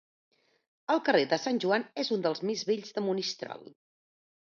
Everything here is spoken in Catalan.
El carrer de Sant Joan és un dels més vells de Monistrol.